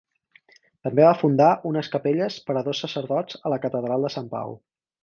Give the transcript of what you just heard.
També va fundar unes capelles per a dos sacerdots a la catedral de Sant Pau.